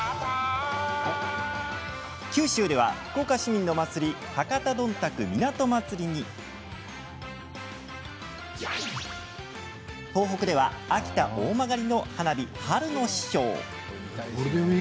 九州では、福岡市民の祭り博多どんたく港まつりに東北では秋田・大曲の花火春の章。